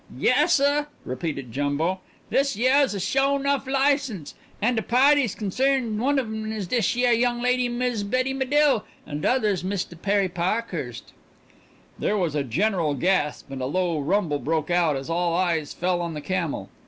"Yassuh!" repeated Jumbo. "This yeah's a sho nuff license, and the pa'ties concerned one of 'em is dis yeah young lady, Miz Betty Medill, and th' other's Mistah Perry Pa'khurst." There was a general gasp, and a low rumble broke out as all eyes fell on the camel.